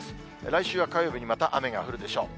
来週は火曜日に、また雨が降るでしょう。